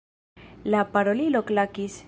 La parolilo klakis.